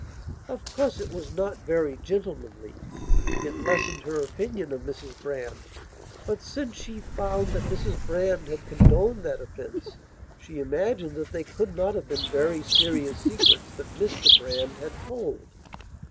Of course it was not very gentlemanlyit lessened her opinion of Mrs Brand. But since she found that Mrs Brand had condoned that offence, she imagined that they could not have been very serious secrets that Mr Brand had told.